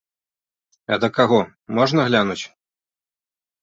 А да каго, можна глянуць?